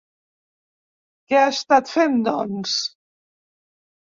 Què ha estat fent, doncs?